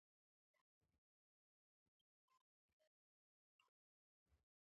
په دوبی کې شپه هم د ورځې په شان رڼا ده.